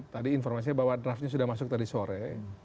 tadi informasinya bahwa draftnya sudah masuk tadi sore